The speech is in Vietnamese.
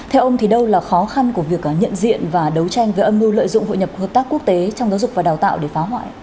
theo ông thì đâu là khó khăn của việc nhận diện và đấu tranh với âm mưu lợi dụng hội nhập hợp tác quốc tế trong giáo dục và đào tạo để phá hoại